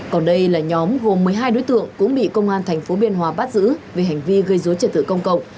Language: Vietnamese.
còn đây là nhóm gồm một mươi hai đối tượng cũng bị công an thành phố biên hòa bắt giữ về hành vi gây dối trẻ tử công cộng